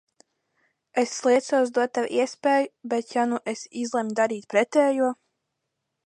Es sliecos dot tev iespēju, bet ja nu es izlemju darīt pretējo?